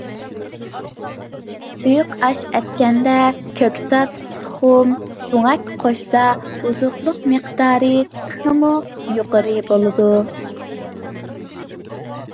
سۇيۇقئاش ئەتكەندە، كۆكتات، تۇخۇم، سۆڭەك قوشسا، ئوزۇقلۇق مىقدارى تېخىمۇ يۇقىرى بولىدىكەن.